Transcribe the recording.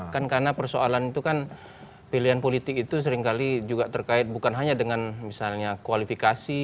kan karena persoalan itu kan pilihan politik itu seringkali juga terkait bukan hanya dengan misalnya kualifikasi